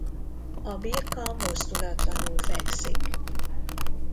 A birka mozdulatlanul fekszik.